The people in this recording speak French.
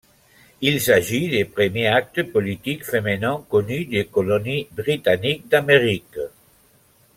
Il s'agit du premier acte politique féminin connu des colonies britanniques d'Amérique.